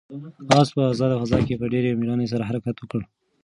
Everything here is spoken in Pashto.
آس په آزاده فضا کې په ډېرې مېړانې سره حرکت وکړ.